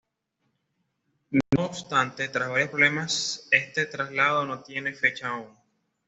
No obstante, tras varios problemas este traslado no tiene fecha aún.